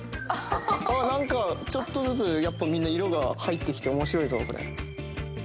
何かちょっとずつみんな色が入ってきて面白いぞこれ。